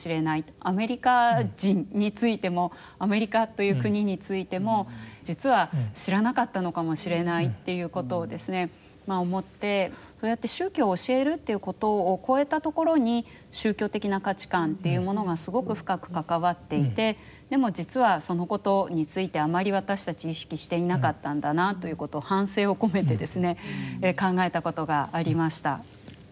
アメリカ人についてもアメリカという国についても実は知らなかったのかもしれないっていうことをですね思ってそうやって宗教を教えるっていうことを超えたところに宗教的な価値観っていうものがすごく深く関わっていてでも実はそのことについてあまり私たち意識していなかったんだなということを反省を込めてですね考えたことがありました。